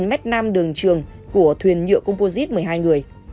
hai m nam đường trường của thuyền nhựa composite một mươi hai người